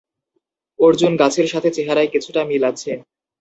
অর্জুন গাছের সাথে চেহারায় কিছুটা মিল আছে।